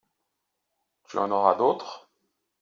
Tu en auras d’autres ?